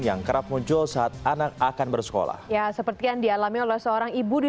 yang kerap muncul saat anak akan bersekolah ya seperti yang dialami oleh seorang ibu di